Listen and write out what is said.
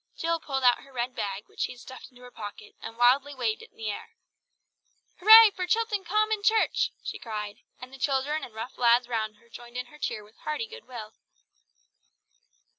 Jill pulled out her red bag which she had stuffed into her pocket, and wildly waved it in the air. "Hurray for Chilton Common Church!" she cried, and the children and rough lads round joined in her cheer with a hearty good will.